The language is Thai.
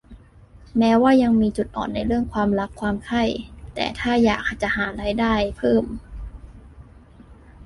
แม้ว่ายังมีจุดอ่อนในเรื่องความรักความใคร่ แต่ถ้าอยากจะหารายได้เพิ่ม